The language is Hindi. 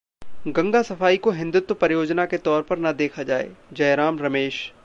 गंगा सफाई को हिंदुत्व परियोजना के तौर पर न देखा जाए: जयराम रमेश